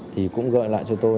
thì cũng gợi lại cho chúng tôi